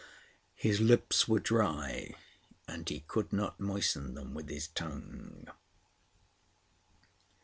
His lips were dry, and he could not moisten. them with his tongue.